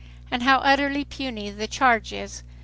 And how utterly puny the "charge" is!